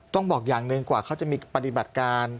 บอกอย่างหนึ่งกว่าเขาจะมีปฏิบัติการ